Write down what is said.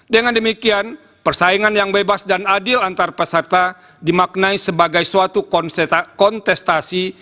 dengan demikian persaingan yang bebas dan adil antar peserta dimaknai sebagai suatu kontestasi